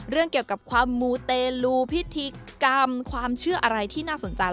เรื่องเกี่ยวกับความมูเตลูพิธีกรรมความเชื่ออะไรที่น่าสนใจ